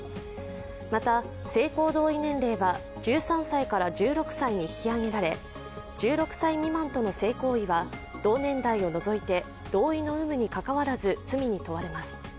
また、性行為同意年齢は１３歳から１６歳に引き上げられ、１６歳未満との性行為は同年代を除いて同意の有無にかかわらず罪に問われます。